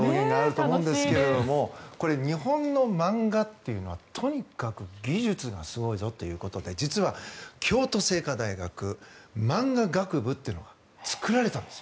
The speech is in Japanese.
これ日本の漫画というのはとにかく技術がすごいぞということで実は京都精華大学マンガ学部というのが作られたんです。